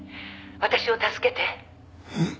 私を助けて」えっ。